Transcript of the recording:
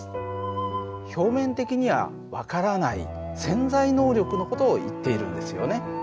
表面的には分からない潜在能力の事をいっているんですよね。